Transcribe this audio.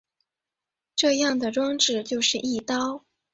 这样的装置就是翼刀。